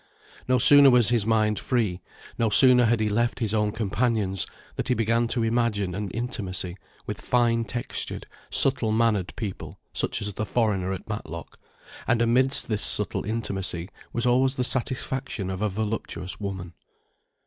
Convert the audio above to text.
No sooner was his mind free, no sooner had he left his own companions, than he began to imagine an intimacy with fine textured, subtle mannered people such as the foreigner at Matlock, and amidst this subtle intimacy was always the satisfaction of a voluptuous woman.